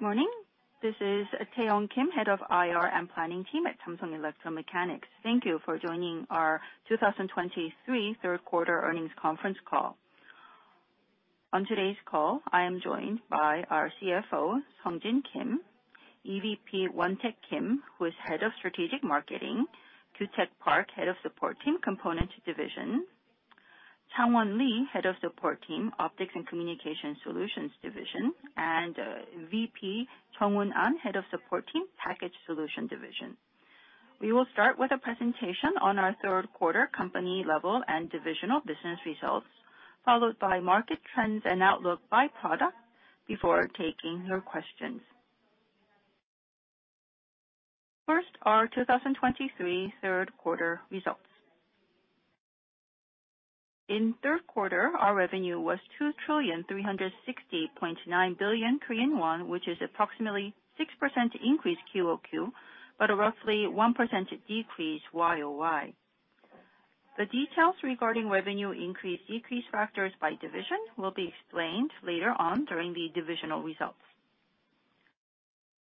Good morning, this is Taiyoung Kim, Head of IR and Planning Team at Samsung Electro-Mechanics. Thank you for joining our 2023 third quarter earnings conference call. On today's call, I am joined by our CFO, Sungjin Kim, EVP Won-Taek Kim, who is Head of Strategic Marketing; Kyu-taek Park, Head of Support Team, Component Division; Changwon Lee, Head of Support Team, Optics and Communication Solutions Division; and VP Chungwon An, Head of Support Team, Package Solution Division. We will start with a presentation on our third quarter company level and divisional business results, followed by market trends and outlook by product before taking your questions. First, our 2023 third quarter results. In third quarter, our revenue was 2,360.9 billion Korean won, which is approximately 6% increase QoQ, but a roughly 1% decrease YoY. The details regarding revenue increase, decrease factors by division will be explained later on during the divisional results.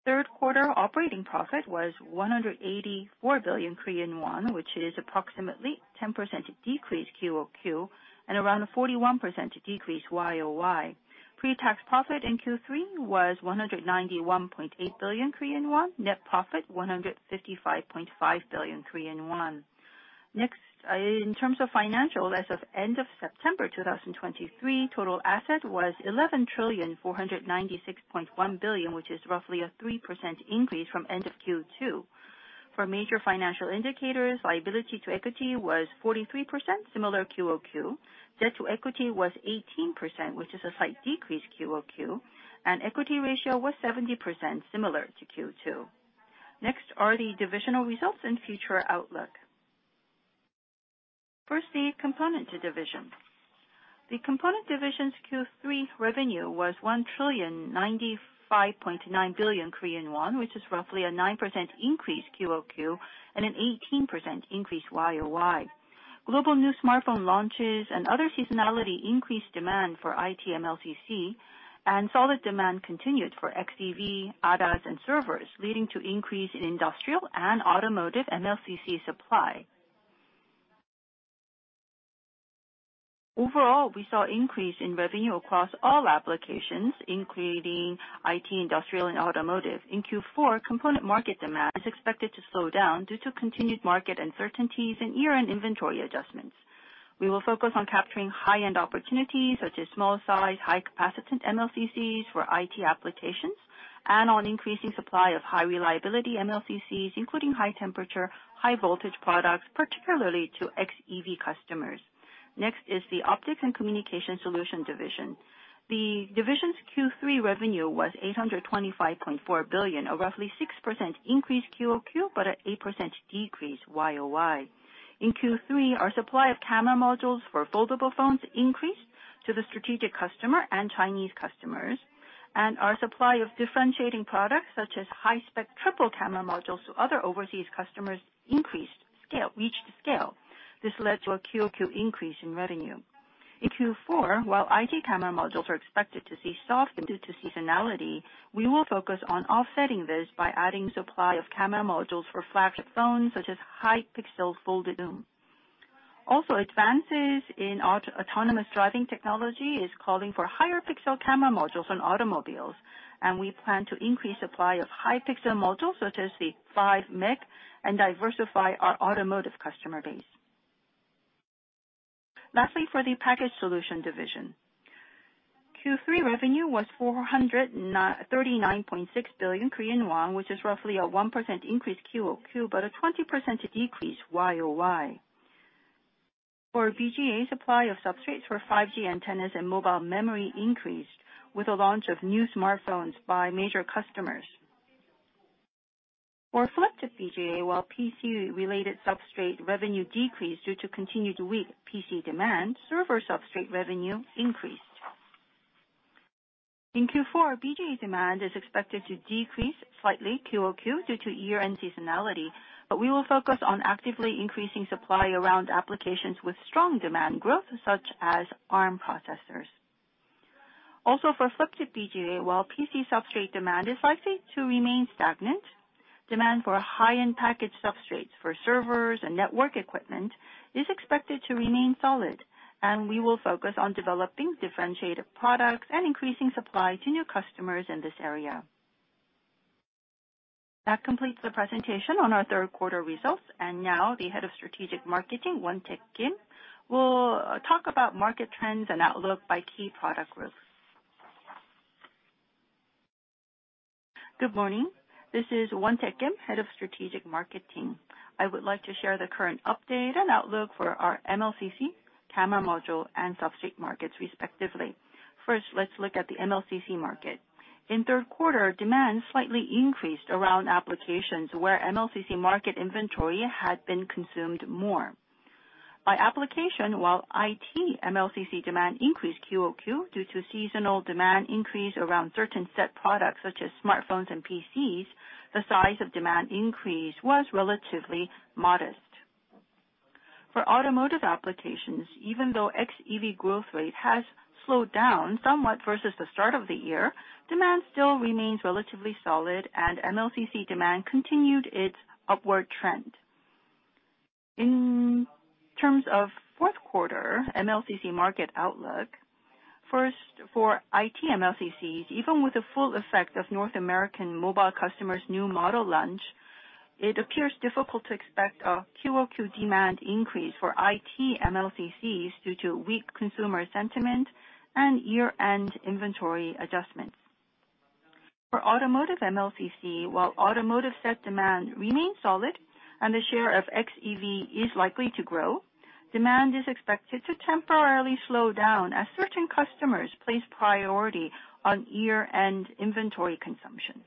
Third quarter operating profit was 184 billion Korean won, which is approximately 10% decrease QoQ and around a 41% decrease YoY. Pre-tax profit in Q3 was 191.8 billion Korean won. Net profit, 155.5 billion Korean won. Next, in terms of financial, as of end of September 2023, total asset was 11,496.1 billion, which is roughly a 3% increase from end of Q2. For major financial indicators, liability to equity was 43%, similar QoQ. Debt to equity was 18%, which is a slight decrease QoQ, and equity ratio was 70%, similar to Q2. Next are the divisional results and future outlook. First, the Component Division. The Component Division's Q3 revenue was 1,095.9 billion Korean won, which is roughly a 9% increase QoQ and an 18% increase YoY. Global new smartphone launches and other seasonality increased demand for IT MLCC, and solid demand continued for xEV, ADAS, and servers, leading to increase in industrial and automotive MLCC supply. Overall, we saw increase in revenue across all applications, including IT, industrial, and automotive. In Q4, component market demand is expected to slow down due to continued market uncertainties and year-end inventory adjustments. We will focus on capturing high-end opportunities, such as small size, high capacitance MLCCs for IT applications, and on increasing supply of high reliability MLCCs, including high temperature, high voltage products, particularly to xEV customers. Next is the Optics and Communication Solutions Division. The division's Q3 revenue was 825.4 billion, a roughly 6% increase QoQ, but an 8% decrease YoY. In Q3, our supply of camera modules for foldable phones increased to the strategic customer and Chinese customers, and our supply of differentiating products, such as high spec triple camera modules to other overseas customers, increased scale, reached scale. This led to a QoQ increase in revenue. In Q4, while IT camera modules are expected to see softening due to seasonality, we will focus on offsetting this by adding supply of camera modules for flagship phones, such as high pixel folded zoom. Also, advances in autonomous driving technology is calling for higher pixel camera modules on automobiles, and we plan to increase supply of high pixel modules, such as the 5-meg, and diversify our automotive customer base. Lastly, for the Package Solution Division. Q3 revenue was 439.6 billion Korean won, which is roughly a 1% increase QoQ, but a 20% decrease YoY. For BGA, supply of substrates for 5G antennas and mobile memory increased with the launch of new smartphones by major customers. For FC-BGA, while PC-related substrate revenue decreased due to continued weak PC demand, server substrate revenue increased. In Q4, BGA demand is expected to decrease slightly QoQ due to year-end seasonality, but we will focus on actively increasing supply around applications with strong demand growth, such as Arm processors. Also, for FC-BGA, while PC substrate demand is likely to remain stagnant, demand for high-end package substrates for servers and network equipment is expected to remain solid, and we will focus on developing differentiated products and increasing supply to new customers in this area. That completes the presentation on our third quarter results. Now the Head of Strategic Marketing, Won-Taek Kim, will talk about market trends and outlook by key product groups. Good morning. This is Won-Taek Kim, Head of Strategic Marketing. I would like to share the current update and outlook for our MLCC, camera module, and substrate markets, respectively. First, let's look at the MLCC market. In third quarter, demand slightly increased around applications where MLCC market inventory had been consumed more. By application, while IT MLCC demand increased QoQ due to seasonal demand increase around certain set products, such as smartphones and PCs, the size of demand increase was relatively modest. For automotive applications, even though xEV growth rate has slowed down somewhat versus the start of the year, demand still remains relatively solid, and MLCC demand continued its upward trend. In terms of fourth quarter MLCC market outlook, first, for IT MLCCs, even with the full effect of North American mobile customers' new model launch, it appears difficult to expect a QoQ demand increase for IT MLCCs due to weak consumer sentiment and year-end inventory adjustments. For automotive MLCC, while automotive set demand remains solid and the share of XEV is likely to grow, demand is expected to temporarily slow down as certain customers place priority on year-end inventory consumption.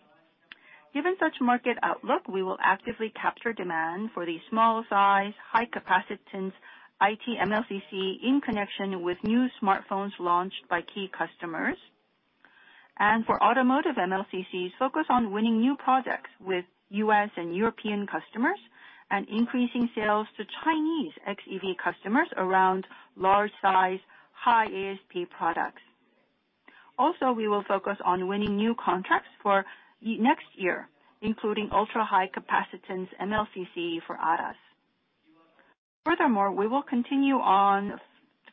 Given such market outlook, we will actively capture demand for the small size, high capacitance IT MLCC in connection with new smartphones launched by key customers. For automotive MLCCs, focus on winning new projects with U.S. and European customers, and increasing sales to Chinese XEV customers around large size, high ASP products. Also, we will focus on winning new contracts for next year, including ultra-high capacitance MLCC for ADAS. Furthermore, we will continue on,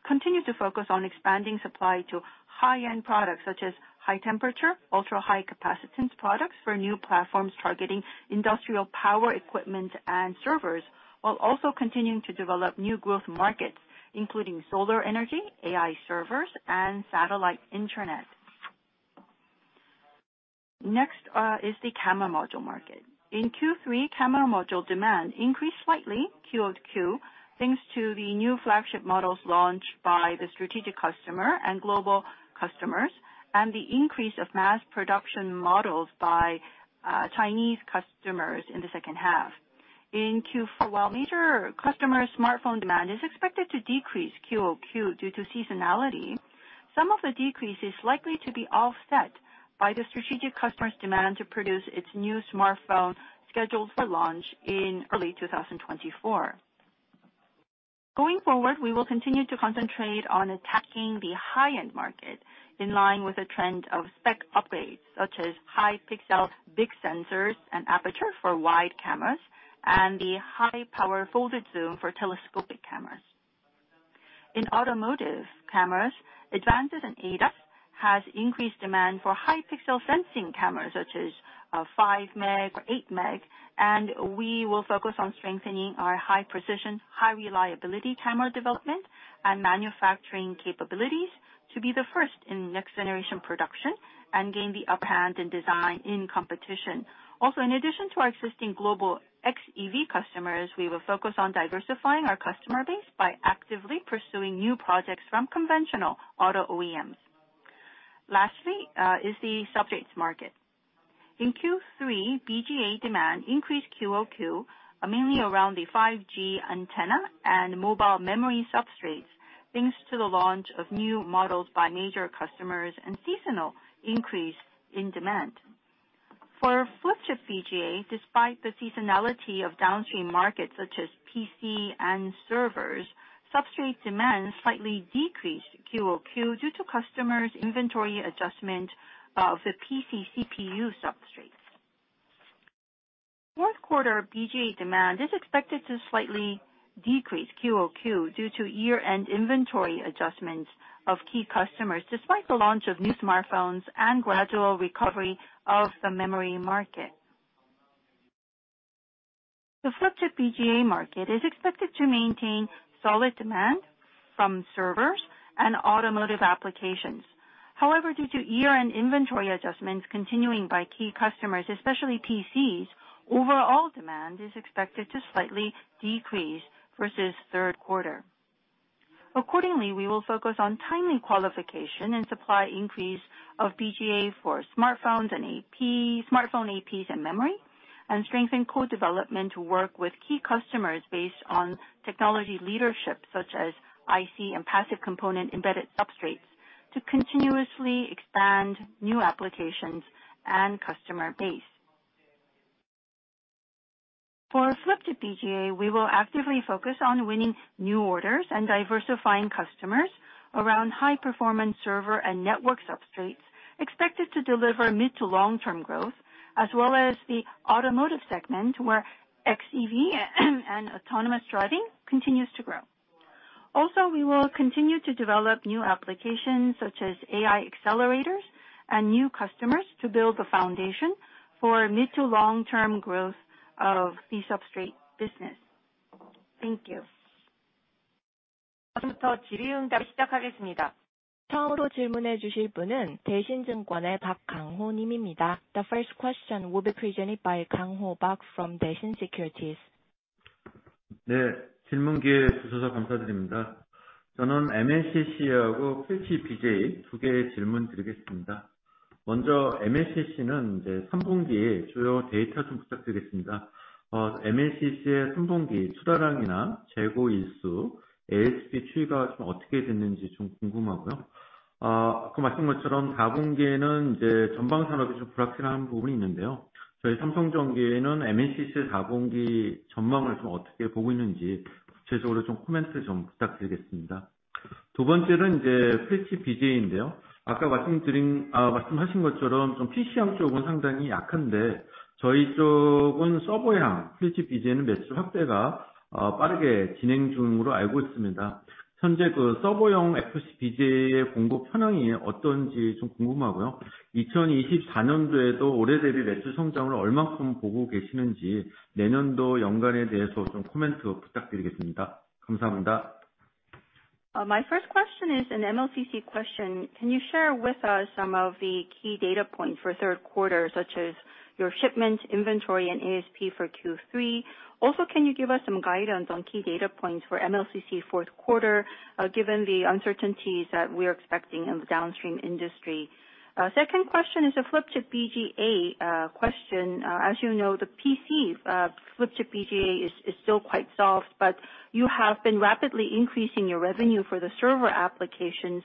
continue to focus on expanding supply to high-end products, such as high temperature, ultra-high capacitance products for new platforms targeting industrial power equipment and servers, while also continuing to develop new growth markets, including solar energy, AI servers, and satellite internet. Next, is the camera module market. In Q3, camera module demand increased slightly QoQ, thanks to the new flagship models launched by the strategic customer and global customers, and the increase of mass production models by Chinese customers in the second half. In Q4, while major customer smartphone demand is expected to decrease QoQ due to seasonality, some of the decrease is likely to be offset by the strategic customer's demand to produce its new smartphone, scheduled for launch in early 2024. Going forward, we will continue to concentrate on attacking the high-end market in line with the trend of spec upgrades, such as high pixel, big sensors and aperture for wide cameras, and the high power folded zoom for telescopic cameras. In automotive cameras, advances in ADAS has increased demand for high pixel sensing cameras, such as 5 meg or 8 meg, and we will focus on strengthening our high precision, high reliability camera development and manufacturing capabilities to be the first in next generation production and gain the upper hand in design in competition. Also, in addition to our existing global xEV customers, we will focus on diversifying our customer base by actively pursuing new projects from conventional auto OEMs. Lastly, is the substrates market. In Q3, BGA demand increased QoQ, mainly around the 5G antenna and mobile memory substrates, thanks to the launch of new models by major customers and seasonal increase in demand. For flip chip BGA, despite the seasonality of downstream markets such as PC and servers, substrate demand slightly decreased QoQ due to customers' inventory adjustment of the PC CPU substrates. Fourth quarter BGA demand is expected to slightly decrease QoQ due to year-end inventory adjustments of key customers, despite the launch of new smartphones and gradual recovery of the memory market. The flip chip BGA market is expected to maintain solid demand from servers and automotive applications. However, due to year-end inventory adjustments continuing by key customers, especially PCs, overall demand is expected to slightly decrease versus third quarter. Accordingly, we will focus on timely qualification and supply increase of BGA for smartphones and AP, smartphone APs and memory, and strengthen co-development to work with key customers based on technology leadership, such as IC and passive component embedded substrates, to continuously expand new applications and customer base. For FC-BGA, we will actively focus on winning new orders and diversifying customers around high-performance server and network substrates, expected to deliver mid- to long-term growth, as well as the automotive segment, where xEV and autonomous driving continues to grow. Also, we will continue to develop new applications, such as AI accelerators and new customers, to build the foundation for mid- to long-term growth of the substrate business. Thank you. The first question will be presented by Kangho Park from Daishin Securities. ... ASP 추이가 좀 어떻게 됐는지 좀 궁금하고요. 아까 말씀드린 것처럼 사분기에는 이제 전방 산업이 좀 불확실한 부분이 있는데요. 저희 삼성전기에는 MLCC 사분기 전망을 좀 어떻게 보고 있는지, 구체적으로 좀 코멘트를 좀 부탁드리겠습니다. 두 번째는 이제 FC-BGA인데요. 아까 말씀드린, 말씀하신 것처럼 좀 PC향 쪽은 상당히 약한데, 저희 쪽은 서버향 FC-BGA는 매출 확대가, 빠르게 진행 중으로 알고 있습니다. 현재 그 서버용 FC-BGA의 공급 현황이 어떤지 좀 궁금하고요. 2024년도에도 올해 대비 매출 성장을 얼마큼 보고 계시는지, 내년도 연간에 대해서 좀 코멘트 부탁드리겠습니다. 감사합니다. My first question is an MLCC question. Can you share with us some of the key data points for third quarter, such as your shipment, inventory, and ASP for Q3? Also, can you give us some guidance on key data points for MLCC fourth quarter, given the uncertainties that we are expecting in the downstream industry? Second question is a flip chip BGA question. As you know, the PC flip chip BGA is still quite soft, but you have been rapidly increasing your revenue for the server applications.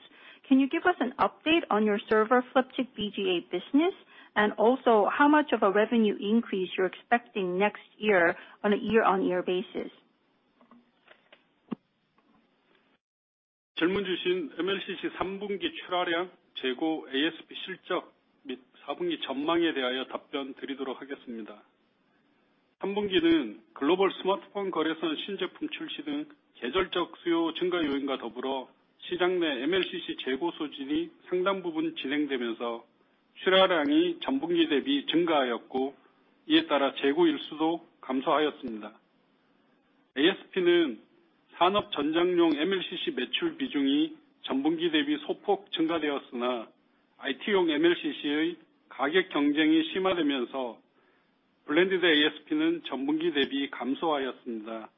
Can you give us an update on your server flip chip BGA business? And also, how much of a revenue increase you're expecting next year on a year-over-year basis? 질문 주신 MLCC 삼분기 출하량, 재고, ASP 실적 및 사분기 전망에 대하여 답변 드리도록 하겠습니다. 삼분기는 글로벌 스마트폰 거래선 신제품 출시 등 계절적 수요 증가 요인과 더불어 시장 내 MLCC 재고 소진이 상당 부분 진행되면서 출하량이 전분기 대비 증가하였고, 이에 따라 재고 일수도 감소하였습니다. ASP는 산업 전장용 MLCC 매출 비중이 전분기 대비 소폭 증가되었으나, IT용 MLCC의 가격 경쟁이 심화되면서 blended ASP는 전분기 대비 감소하였습니다.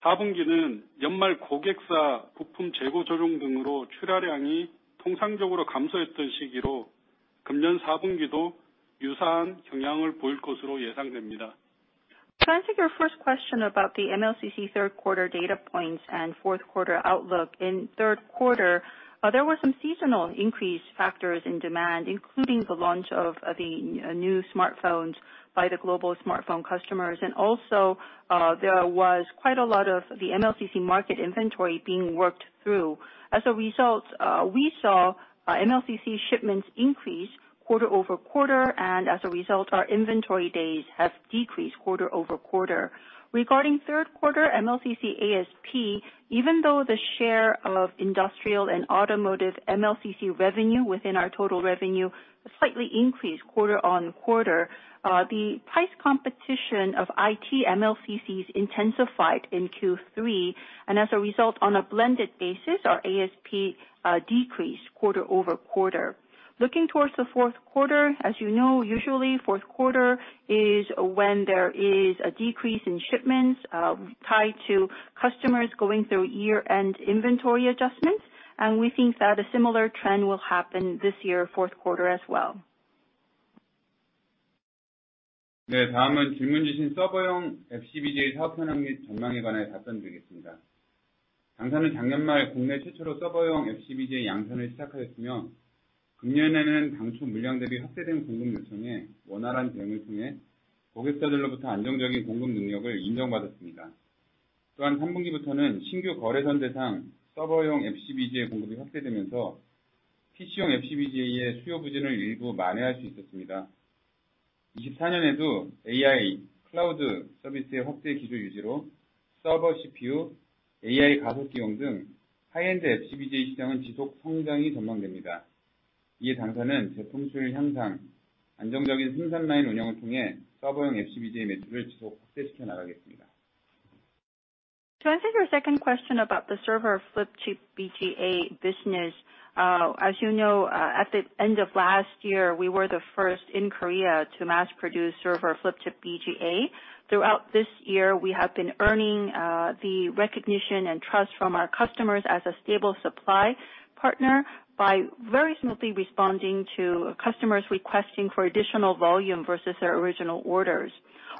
사분기는 연말 고객사 부품 재고 조정 등으로 출하량이 통상적으로 감소했던 시기로, 금년 사분기도 유사한 경향을 보일 것으로 예상됩니다. To answer your first question about the MLCC third quarter data points and fourth quarter outlook, in third quarter, there were some seasonal increase factors in demand, including the launch of the new smartphones by the global smartphone customers. Also, there was quite a lot of the MLCC market inventory being worked through. As a result, we saw MLCC shipments increase quarter-over-quarter, and as a result, our inventory days have decreased quarter-over-quarter. Regarding third quarter MLCC ASP, even though the share of industrial and automotive MLCC revenue within our total revenue slightly increased quarter-over-quarter, the price competition of IT MLCCs intensified in Q3, and as a result, on a blended basis, our ASP decreased quarter-over-quarter. Looking towards the fourth quarter, as you know, usually fourth quarter is when there is a decrease in shipments tied to customers going through year-end inventory adjustments, and we think that a similar trend will happen this year, fourth quarter as well. 네, 다음은 질문 주신 서버용 FC-BGA 사업 현황 및 전망에 관하여 답변드리겠습니다. 당사는 작년 말 국내 최초로 서버용 FC-BGA 양산을 시작하였으며, 금년에는 당초 물량 대비 확대된 공급 요청에 원활한 대응을 통해 고객사들로부터 안정적인 공급 능력을 인정받았습니다. 또한 3분기부터는 신규 거래선 대상 서버용 FC-BGA의 공급이 확대되면서 PC용 FC-BGA의 수요 부진을 일부 만회할 수 있었습니다. 2024년에도 AI, 클라우드 서비스의 확대 기조 유지로 서버 CPU, AI 가속기용 등 하이엔드 FC-BGA 시장은 지속 성장이 전망됩니다. 이에 당사는 제품 수율 향상, 안정적인 생산라인 운영을 통해 서버용 FC-BGA 매출을 지속 확대시켜 나가겠습니다. To answer your second question about the server flip chip BGA business, as you know, at the end of last year, we were the first in Korea to mass-produce server flip chip BGA. Throughout this year, we have been earning the recognition and trust from our customers as a stable supply partner by very smoothly responding to customers requesting for additional volume versus their original orders.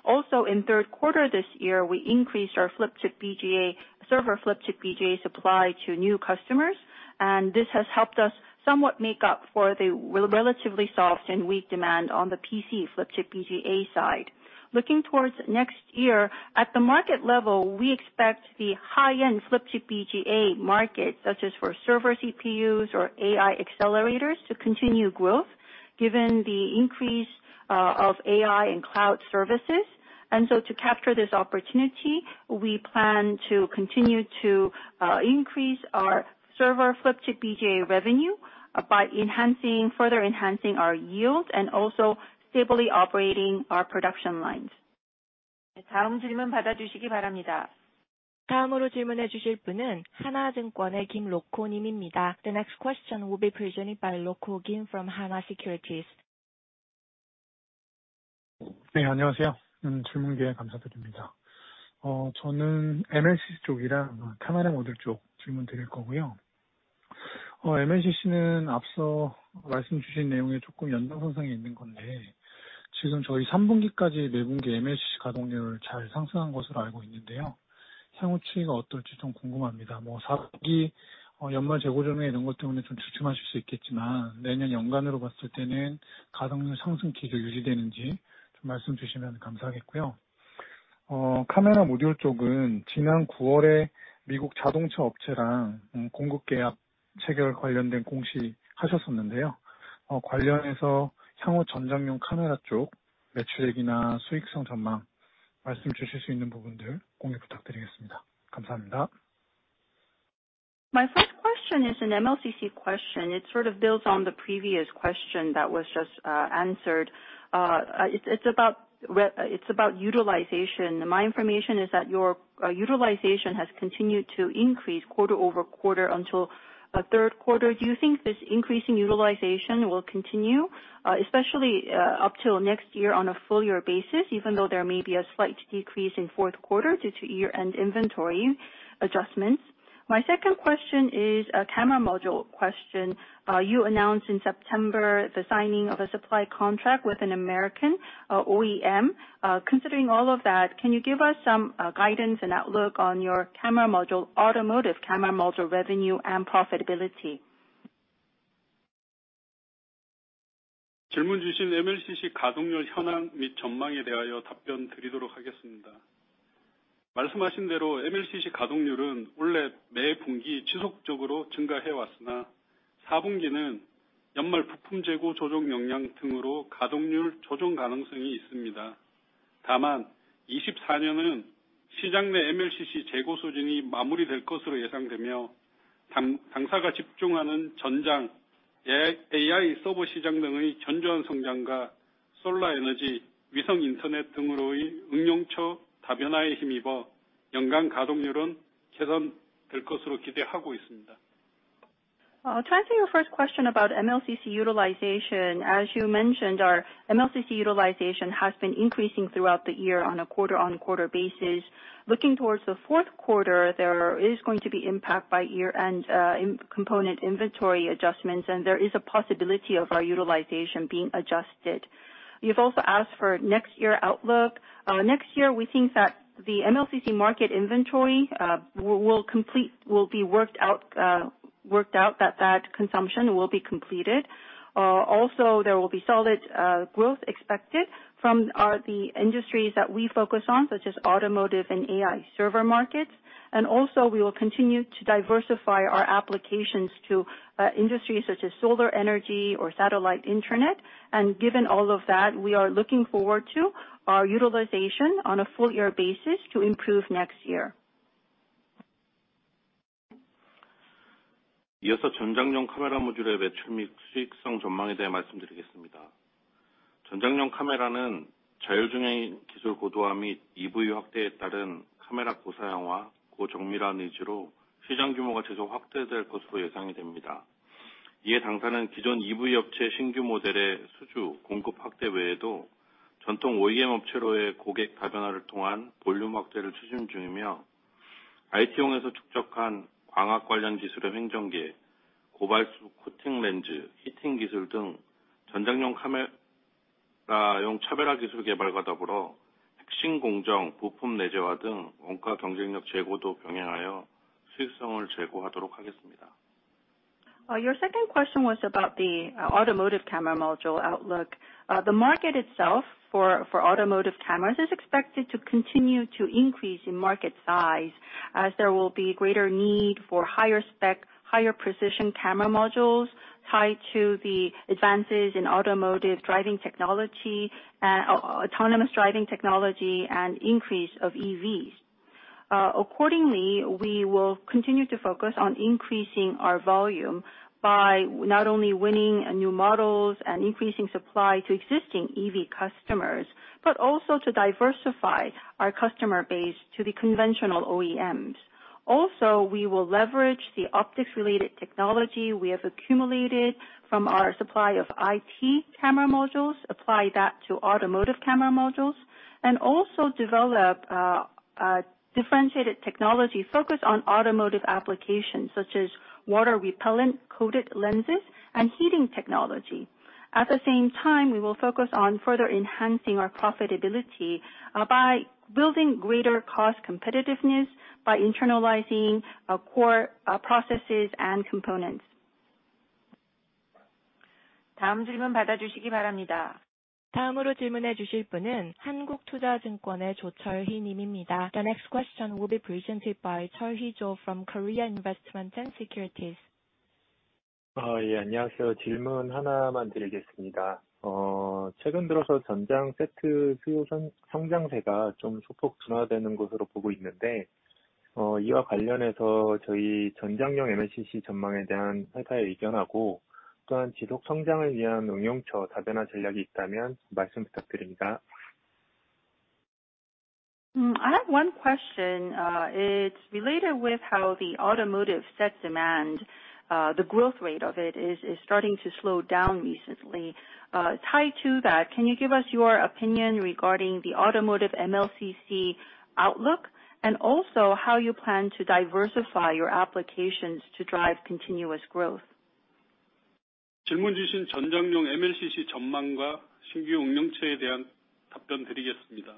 Also, in third quarter this year, we increased our flip chip BGA, server flip chip BGA supply to new customers, and this has helped us somewhat make up for the relatively soft and weak demand on the PC flip chip BGA side. Looking towards next year, at the market level, we expect the high-end flip chip BGA market, such as for server CPUs or AI accelerators, to continue growth, given the increase of AI and cloud services. To capture this opportunity, we plan to continue to increase our server flip chip BGA revenue by enhancing, further enhancing our yield and also stably operating our production lines. 네, 다음 질문 받아주시기 바랍니다. 다음으로 질문해 주실 분은 하나증권의 김로코님입니다. The next question will be presented by Rok-ho Kim from Hana Securities. 네, 안녕하세요. 질문 기회 감사드립니다. 저는 MLCC 쪽이랑 카메라 모듈 쪽 질문드릴 거고요. MLCC는 앞서 말씀 주신 내용에 조금 연장선상에 있는 건데, 지금 저희 3분기까지 매 분기 MLCC 가동률 잘 상승한 것으로 알고 있는데요. 향후 추이가 어떨지 좀 궁금합니다. 4분기, 연말 재고 조정에 이런 것 때문에 좀 주춤하실 수 있겠지만, 내년 연간으로 봤을 때는 가동률 상승 기조 유지되는지 좀 말씀 주시면 감사하겠고요. 카메라 모듈 쪽은 지난 9월에 미국 자동차 업체랑, 공급 계약 체결 관련된 공시 하셨었는데요. 관련해서 향후 전장용 카메라 쪽 매출액이나 수익성 전망, 말씀 주실 수 있는 부분들 공유 부탁드리겠습니다. 감사합니다. My first question is an MLCC question. It sort of builds on the previous question that was just answered. It's about utilization. My information is that your utilization has continued to increase quarter-over-quarter until third quarter. Do you think this increasing utilization will continue, especially up till next year on a full year basis, even though there may be a slight decrease in fourth quarter due to year-end inventory adjustments? My second question is a camera module question. You announced in September the signing of a supply contract with an American OEM. Considering all of that, can you give us some guidance and outlook on your camera module, automotive camera module revenue and profitability? Turning to your first question about MLCC utilization, as you mentioned, our MLCC utilization has been increasing throughout the year on a quarter-over-quarter basis. Looking towards the fourth quarter, there is going to be impact by year-end in component inventory adjustments, and there is a possibility of our utilization being adjusted. You've also asked for next year outlook. Next year we think that the MLCC market inventory will complete, will be worked out, that consumption will be completed. Also, there will be solid growth expected from the industries that we focus on, such as automotive and AI server markets. And also, we will continue to diversify our applications to industries such as solar energy or satellite internet. Given all of that, we are looking forward to our utilization on a full year basis to improve next year. Your second question was about the automotive camera module outlook. The market itself for automotive cameras is expected to continue to increase in market size, as there will be greater need for higher spec, higher precision camera modules tied to the advances in automotive driving technology and autonomous driving technology and increase of EVs. Accordingly, we will continue to focus on increasing our volume by not only winning new models and increasing supply to existing EV customers, but also to diversify our customer base to the conventional OEMs. Also, we will leverage the optics-related technology we have accumulated from our supply of IT camera modules, apply that to automotive camera modules, and also develop differentiated technology focused on automotive applications such as water-repellent coated lenses and heating technology. At the same time, we will focus on further enhancing our profitability by building greater cost competitiveness by internalizing core processes and components. The next question will be presented by Cheol-hee Jo from Korea Investment & Securities. I have one question. It's related with how the automotive set demand, the growth rate of it is starting to slow down recently. Tied to that, can you give us your opinion regarding the automotive MLCC outlook, and also how you plan to diversify your applications to drive continuous growth?... 질문 주신 전장용 MLCC 전망과 신규 응용처에 대한 답변 드리겠습니다.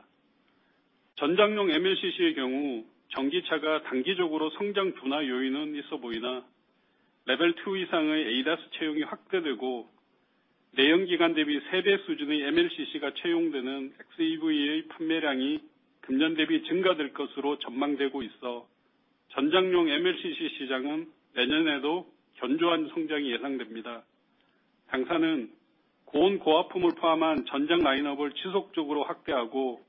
전장용 MLCC의 경우, 전기차가 단기적으로 성장 둔화 요인은 있어 보이나, 레벨 투 이상의 ADAS 채용이 확대되고 내연기관 대비 세배 수준의 MLCC가 채용되는 xEV의 판매량이 금년 대비 증가될 것으로 전망되고 있어, 전장용 MLCC 시장은 내년에도 견조한 성장이 예상됩니다. 당사는 고온, 고압품을 포함한 전장 라인업을 지속적으로 확대하고,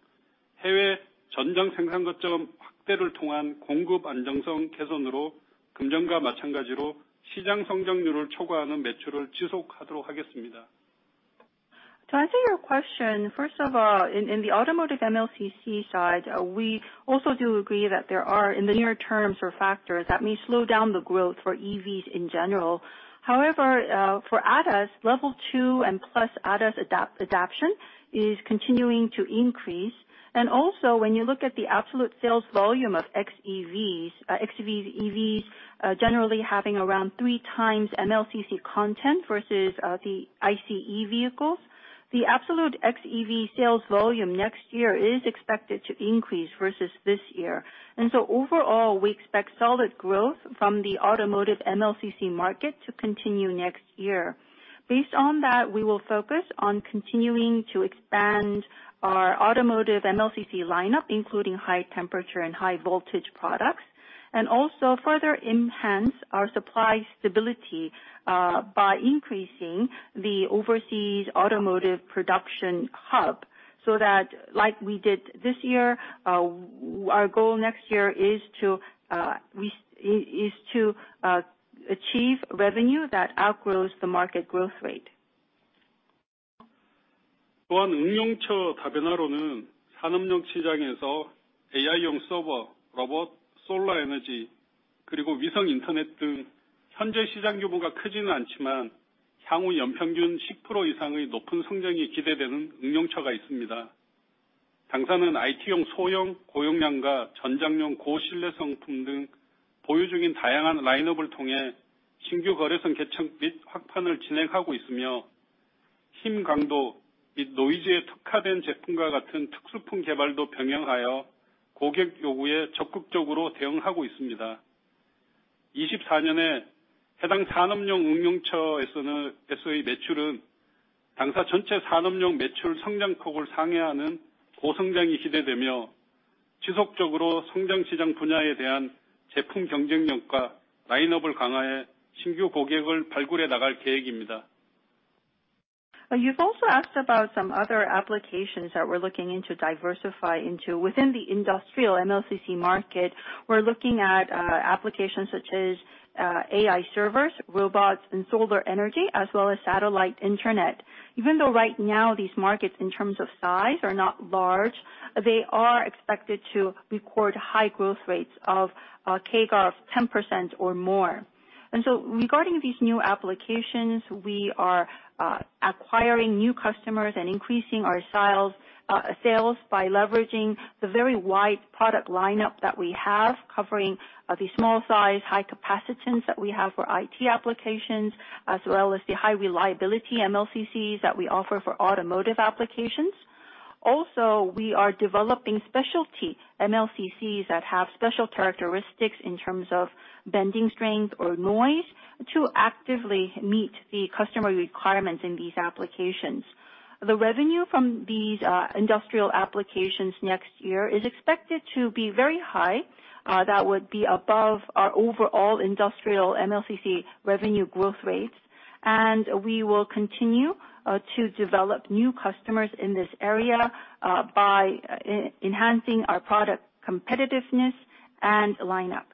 해외 전장 생산 거점 확대를 통한 공급 안정성 개선으로 금년과 마찬가지로 시장 성장률을 초과하는 매출을 지속하도록 하겠습니다. To answer your question, first of all, in the automotive MLCC side, we also do agree that there are, in the near term, some factors that may slow down the growth for EVs in general. However, for ADAS, Level 2 and plus ADAS adoption is continuing to increase. And also, when you look at the absolute sales volume of XEVs, XEVs, EVs, generally having around three times MLCC content versus, the ICE vehicles, the absolute XEV sales volume next year is expected to increase versus this year. And so overall, we expect solid growth from the automotive MLCC market to continue next year. Based on that, we will focus on continuing to expand our automotive MLCC lineup, including high temperature and high voltage products, and also further enhance our supply stability by increasing the overseas automotive production hub, so that like we did this year, our goal next year is to achieve revenue that outgrows the market growth rate. 또한 응용처 다변화로는 산업용 시장에서 AI용 서버, 로봇, 솔라 에너지, 그리고 위성 인터넷 등 현재 시장 규모가 크지는 않지만 향후 연평균 10% 이상의 높은 성장이 기대되는 응용처가 있습니다. 당사는 IT용 소형 고용량과 전장용 고신뢰성품 등 보유 중인 다양한 라인업을 통해 신규 거래선 개척 및 확산을 진행하고 있으며, 힘, 강도 및 노이즈에 특화된 제품과 같은 특수품 개발도 병행하여 고객 요구에 적극적으로 대응하고 있습니다. 2024년에 해당 산업용 응용처에서의 매출은 당사 전체 산업용 매출 성장폭을 상회하는 고성장이 기대되며, 지속적으로 성장 시장 분야에 대한 제품 경쟁력과 라인업을 강화해 신규 고객을 발굴해 나갈 계획입니다. You've also asked about some other applications that we're looking into diversify into. Within the industrial MLCC market, we're looking at applications such as AI servers, robots, and solar energy, as well as satellite internet. Even though right now these markets, in terms of size, are not large, they are expected to record high growth rates of CAGR of 10% or more. And so regarding these new applications, we are acquiring new customers and increasing our sales, sales by leveraging the very wide product lineup that we have, covering the small size, high capacitance that we have for IT applications, as well as the high reliability MLCCs that we offer for automotive applications. Also, we are developing specialty MLCCs that have special characteristics in terms of bending strength or noise, to actively meet the customer requirements in these applications. The revenue from these industrial applications next year is expected to be very high. That would be above our overall industrial MLCC revenue growth rate, and we will continue to develop new customers in this area by enhancing our product competitiveness and lineup.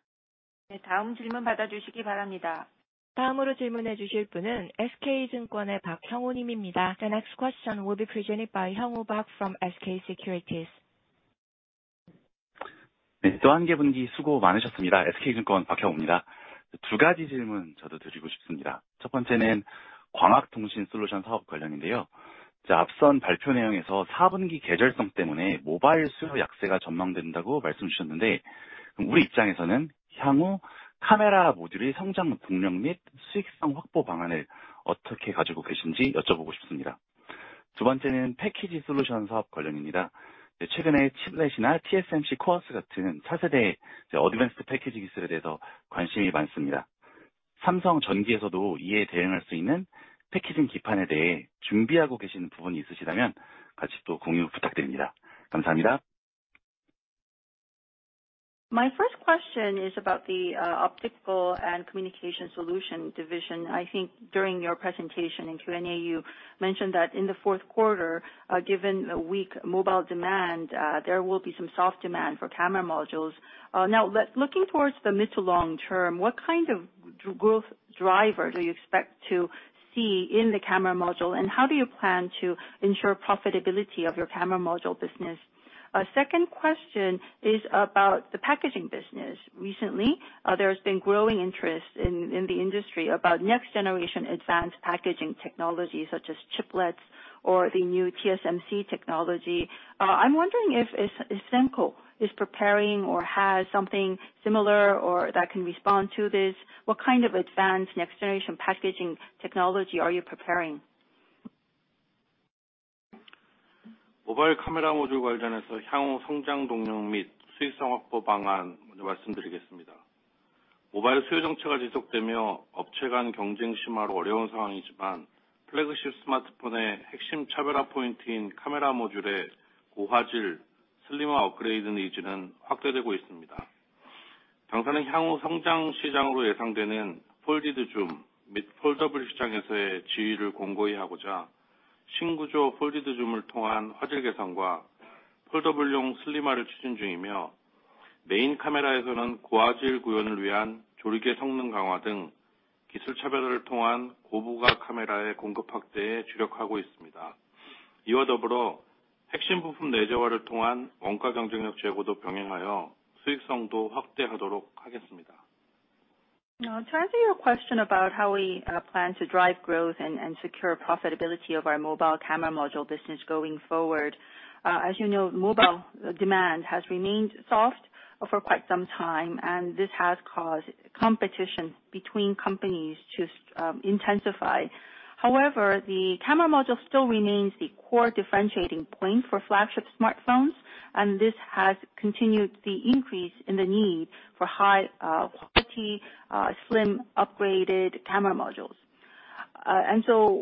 네, 다음 질문 받아주시기 바랍니다. 다음으로 질문해 주실 분은 SK 증권의 박형우님입니다. The next question will be presented by Hyungwoo Park from SK Securities. 네, 또한개 분기 수고 많으셨습니다. SK 증권 박형우입니다. 두 가지 질문 저도 드리고 싶습니다. 첫 번째는 광학 통신 솔루션 사업 관련인데요. 자, 앞선 발표 내용에서 사 분기 계절성 때문에 모바일 수요 약세가 전망된다고 말씀 주셨는데, 우리 입장에서는 향후 카메라 모듈의 성장 동력 및 수익성 확보 방안을 어떻게 가지고 계신지 여쭤보고 싶습니다. 두 번째는 패키지 솔루션 사업 관련입니다. 최근에 치플렛이나 TSMC CoWoS 같은 차세대, advanced packaging 기술에 대해서 관심이 많습니다. 삼성 전기에서도 이에 대응할 수 있는 패키징 기판에 대해 준비하고 계신 부분이 있으시다면, 같이 또 공유 부탁드립니다. 감사합니다. My first question is about the Optics and Communication Solutions Division. I think during your presentation in Q&A, you mentioned that in the fourth quarter, given a weak mobile demand, there will be some soft demand for camera modules. Now, looking towards the mid- to long-term, what kind of growth driver do you expect to see in the camera module, and how do you plan to ensure profitability of your camera module business? Second question is about the packaging business. Recently, there has been growing interest in the industry about next-generation advanced packaging technologies, such as chiplets or the new TSMC technology. I'm wondering if SEM is preparing or has something similar or that can respond to this? What kind of advanced next-generation packaging technology are you preparing? Now, to answer your question about how we plan to drive growth and secure profitability of our mobile camera module business going forward. As you know, mobile demand has remained soft for quite some time, and this has caused competition between companies to intensify. However, the camera module still remains the core differentiating point for flagship smartphones, and this has continued the increase in the need for high quality slim upgraded camera modules. And so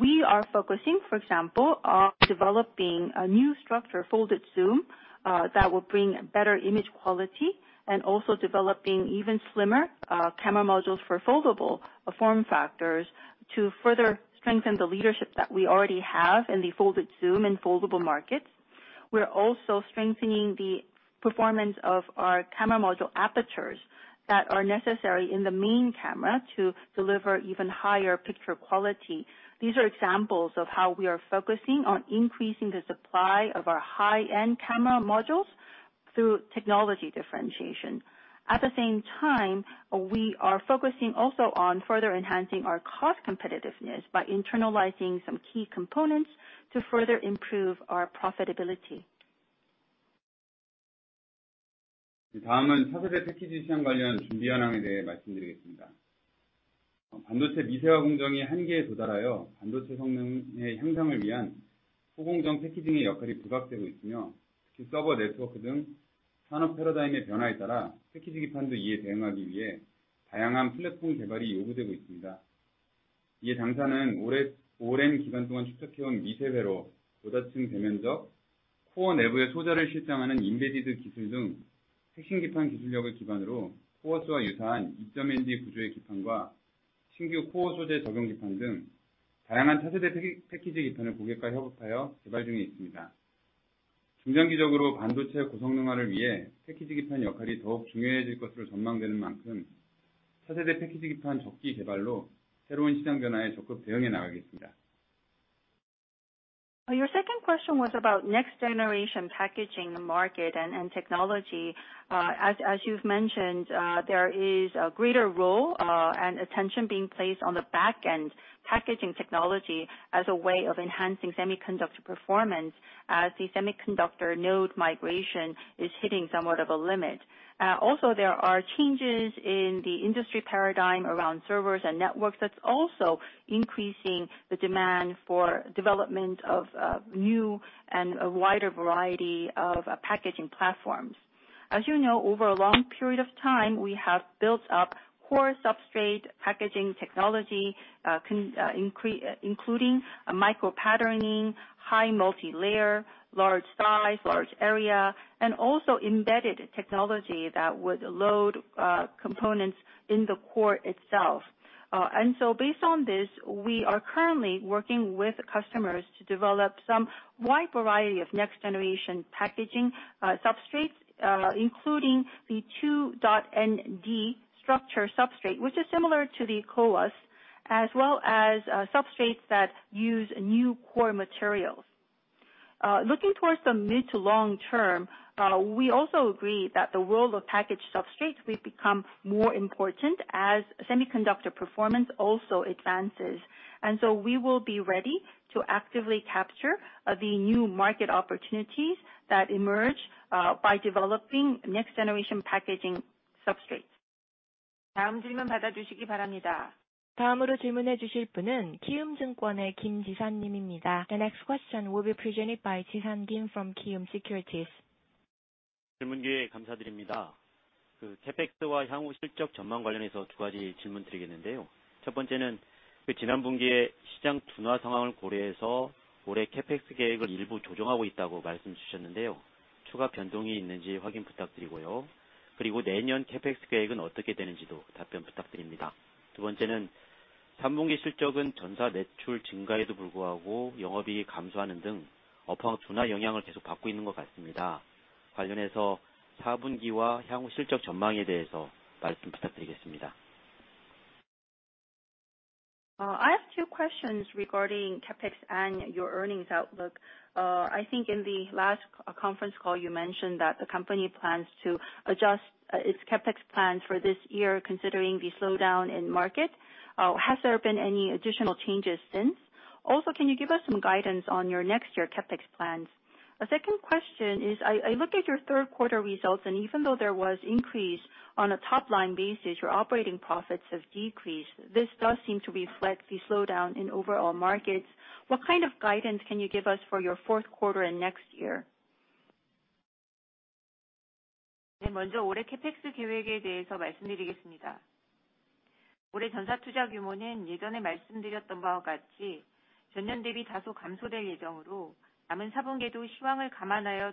we are focusing, for example, on developing a new structure, folded zoom that will bring better image quality, and also developing even slimmer camera modules for foldable form factors to further strengthen the leadership that we already have in the folded zoom and foldable markets. We're also strengthening the performance of our camera module apertures that are necessary in the main camera to deliver even higher picture quality. These are examples of how we are focusing on increasing the supply of our high-end camera modules through technology differentiation. At the same time, we are focusing also on further enhancing our cost competitiveness by internalizing some key components to further improve our profitability. Your second question was about next generation packaging market and technology. As you've mentioned, there is a greater role and attention being placed on the back-end packaging technology as a way of enhancing semiconductor performance, as the semiconductor node migration is hitting somewhat of a limit. Also, there are changes in the industry paradigm around servers and networks, that's also increasing the demand for development of new and a wider variety of packaging platforms. As you know, over a long period of time, we have built up core substrate packaging technology, including micro patterning, high multilayer, large size, large area, and also embedded technology that would load components in the core itself. And so based on this, we are currently working with customers to develop some wide variety of next generation packaging substrates, including the 2.5D structure substrate, which is similar to the CoWoS, as well as substrates that use new core materials. Looking towards the mid to long term, we also agree that the role of package substrates will become more important as semiconductor performance also advances. And so we will be ready to actively capture the new market opportunities that emerge by developing next generation packaging substrates. The next question will be presented by Jisan Kim from Korea Investment & Securities. I have two questions regarding CapEx and your earnings outlook. I think in the last conference call, you mentioned that the company plans to adjust its CapEx plan for this year, considering the slowdown in market. Has there been any additional changes since? Also, can you give us some guidance on your next year CapEx plans? A second question is, I looked at your third quarter results, and even though there was increase on a top-line basis, your operating profits have decreased. This does seem to reflect the slowdown in overall markets. What kind of guidance can you give us for your fourth quarter and next year? Regarding our CapEx, as I mentioned previously, this year's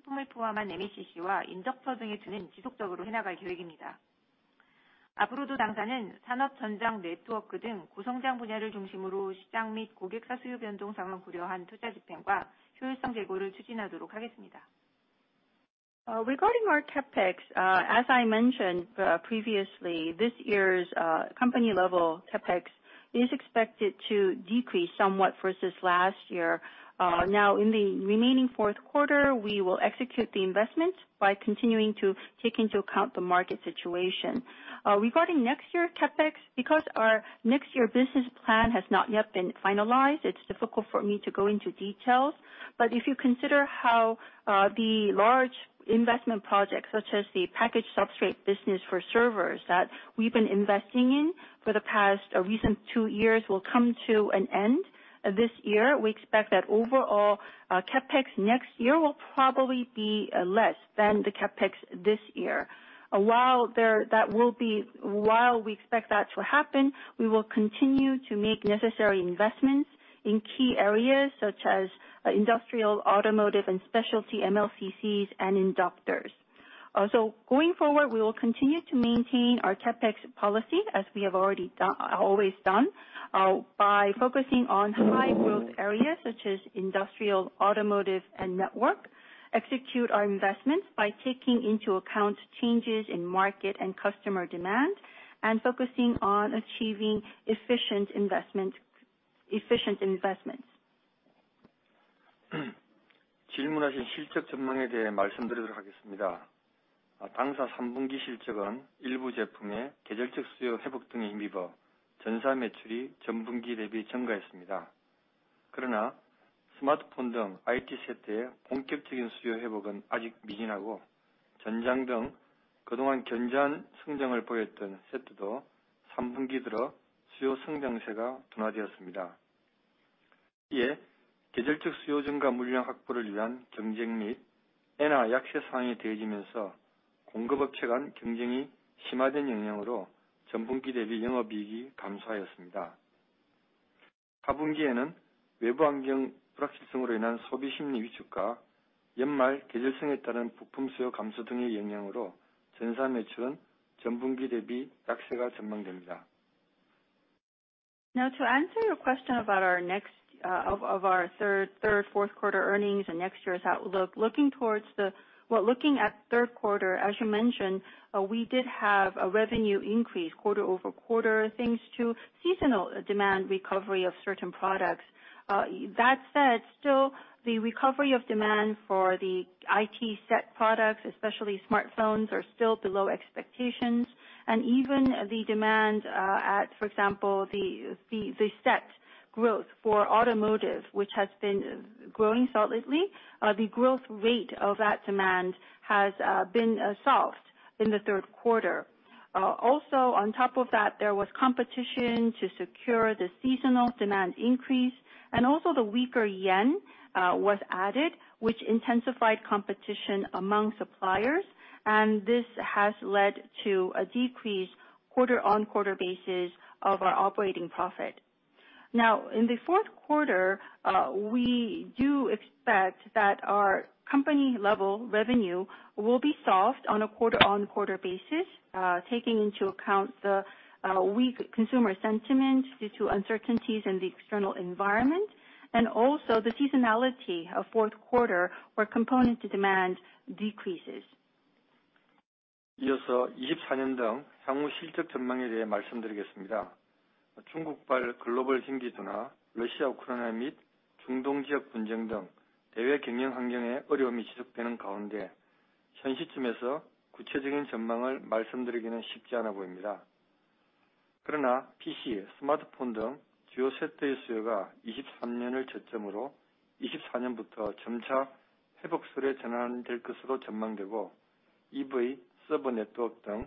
company-level CapEx is expected to decrease somewhat versus last year. Now, in the remaining fourth quarter, we will execute the investment by continuing to take into account the market situation. Regarding next year CapEx, because our next year business plan has not yet been finalized, it's difficult for me to go into details. But if you consider how the large investment projects such as the packaged substrate business for servers that we've been investing in for the past recent 2 years will come to an end this year, we expect that overall, CapEx next year will probably be less than the CapEx this year. While we expect that to happen, we will continue to make necessary investments in key areas such as industrial, automotive, and specialty MLCCs and inductors. Going forward, we will continue to maintain our CapEx policy, as we have already done, always done, by focusing on high growth areas such as industrial, automotive, and network. Execute our investments by taking into account changes in market and customer demand, and focusing on achieving efficient investment, efficient investments. 질문하신 실적 전망에 대해 말씀드리도록 하겠습니다. 당사 3분기 실적은 일부 제품의 계절적 수요 회복 등에 힘입어 전사 매출이 전분기 대비 증가했습니다. 그러나 스마트폰 등 IT 세트의 본격적인 수요 회복은 아직 미진하고, 전장 등 그동안 견조한 성장을 보였던 세트도 3분기 들어 수요 성장세가 둔화되었습니다. 이에 계절적 수요 증가, 물량 확보를 위한 경쟁 및 엔화 약세 상황이 더해지면서 공급업체 간 경쟁이 심화된 영향으로 전분기 대비 영업이익이 감소하였습니다. 하반기에는 외부 환경 불확실성으로 인한 소비 심리 위축과 연말 계절성에 따른 부품 수요 감소 등의 영향으로 전사 매출은 전분기 대비 약세가 전망됩니다. Now, to answer your question about our next of our third fourth quarter earnings and next year's outlook. Well, looking at third quarter, as you mentioned, we did have a revenue increase quarter-over-quarter, thanks to seasonal demand recovery of certain products. That said, still, the recovery of demand for the IT set products, especially smartphones, are still below expectations. And even the demand, for example, the set growth for automotive, which has been growing solidly, the growth rate of that demand has been soft in the third quarter. Also on top of that, there was competition to secure the seasonal demand increase, and also the weaker yen was added, which intensified competition among suppliers, and this has led to a decreased quarter-over-quarter basis of our operating profit. Now, in the fourth quarter, we do expect that our company-level revenue will be soft on a quarter-over-quarter basis, taking into account the weak consumer sentiment due to uncertainties in the external environment, and also the seasonality of fourth quarter, where component demand decreases. 이어서 2024년 등 향후 실적 전망에 대해 말씀드리겠습니다. 중국발 글로벌 경기 둔화, 러시아, 우크라이나 및 중동 지역 분쟁 등 대외 경영 환경의 어려움이 지속되는 가운데, 현시점에서 구체적인 전망을 말씀드리기는 쉽지 않아 보입니다. 그러나 PC, 스마트폰 등 주요 세트의 수요가 2023년을 저점으로 2024년부터 점차 회복세로 전환될 것으로 전망되고, EV, 서버, 네트워크 등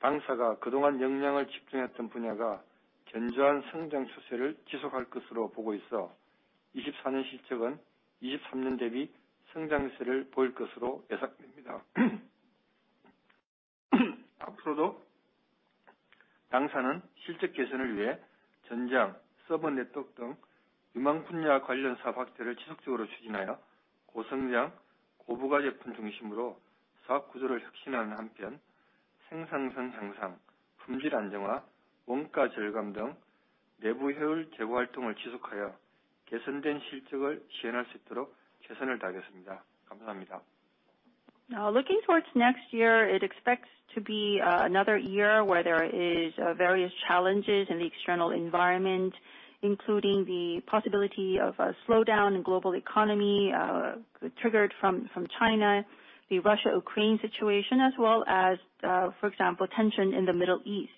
당사가 그동안 역량을 집중했던 분야가 견조한 성장 추세를 지속할 것으로 보고 있어, 2024년 실적은 2023년 대비 성장세를 보일 것으로 예상됩니다. 앞으로도 당사는 실적 개선을 위해 전장, 서버, 네트워크 등 유망 분야 관련 사업 확대를 지속적으로 추진하여 고성장, 고부가 제품 중심으로 사업 구조를 혁신하는 한편 Looking towards next year, it expects to be another year where there is various challenges in the external environment, including the possibility of a slowdown in global economy, triggered from China, the Russia-Ukraine situation, as well as, for example, tension in the Middle East.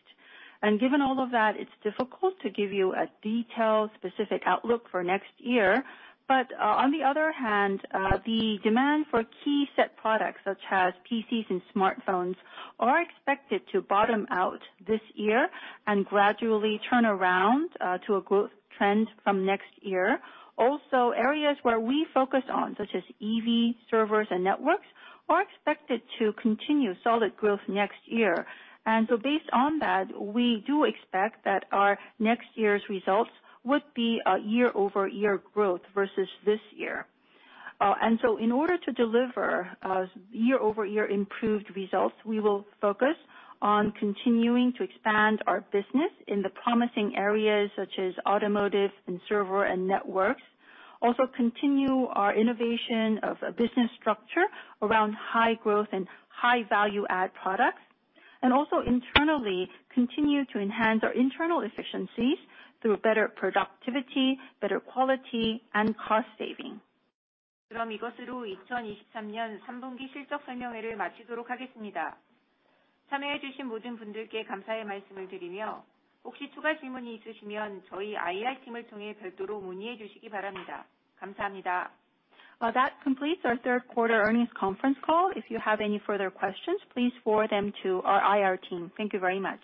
Given all of that, it's difficult to give you a detailed, specific outlook for next year. On the other hand, the demand for key set products, such as PCs and smartphones, are expected to bottom out this year and gradually turn around to a growth trend from next year. Also, areas where we focus on, such as EV, servers, and networks, are expected to continue solid growth next year. And so based on that, we do expect that our next year's results would be a year-over-year growth versus this year. And so in order to deliver year-over-year improved results, we will focus on continuing to expand our business in the promising areas such as automotive and server and networks. Also continue our innovation of a business structure around high growth and high value-add products, and also internally continue to enhance our internal efficiencies through better productivity, better quality, and cost saving. That completes our third quarter earnings conference call. If you have any further questions, please forward them to our IR team. Thank you very much.